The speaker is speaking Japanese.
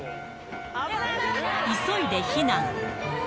急いで避難。